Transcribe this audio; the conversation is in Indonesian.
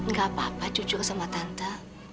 gak apa apa cucu sama tante